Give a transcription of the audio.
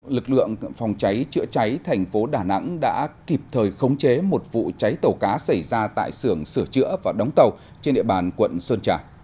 lực lượng phòng cháy chữa cháy thành phố đà nẵng đã kịp thời khống chế một vụ cháy tàu cá xảy ra tại sưởng sửa chữa và đóng tàu trên địa bàn quận sơn trà